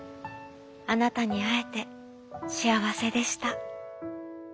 あなたにあえてしあわせでした」。